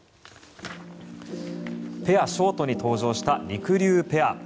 ペアショートに登場したりくりゅうペア。